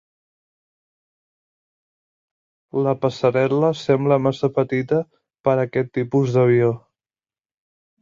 La passarel·la sembla massa petita per aquest tipus d'avió.